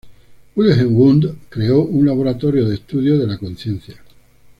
Wilhelm Wundt creó un laboratorio de estudio de la conciencia.